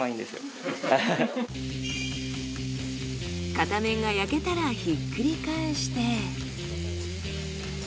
片面が焼けたらひっくり返して。